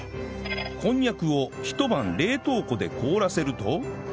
こんにゃくをひと晩冷凍庫で凍らせると